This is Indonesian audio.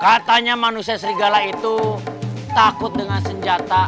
katanya manusia serigala itu takut dengan senjata